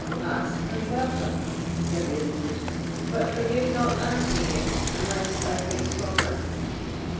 "Ask and welcome," said Ravenswood, "but forgive not answering it, unless I think proper."